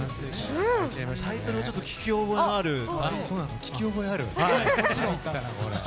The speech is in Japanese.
タイトルも、ちょっと聞き覚えのある。